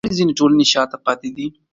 ولې ځینې ټولنې شاته پاتې دي؟